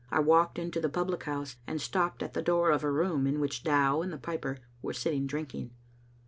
I walked into the public house, and stopped at the door of a room in which Dow and the piper were sitting drinking.